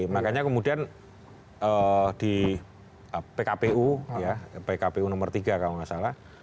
makanya kemudian di pkpu ya pkpu nomor tiga kalau nggak salah